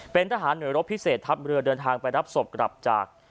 เป็นทหารหน่วยรบพิเศษทัพเรือเดินทางไปรับศพกลับจาก